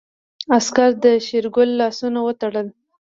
عسکر د شېرګل لاسونه وتړل.